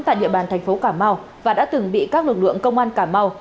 tại địa bàn thành phố cà mau và đã từng bị các lực lượng công an cà mau